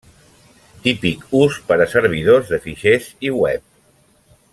Típic ús per a servidors de fitxers i web.